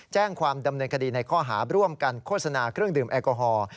แจ้งความดำเนินคดีในข้อหาร่วมกันโฆษณาเครื่องดื่มแอลกอฮอล์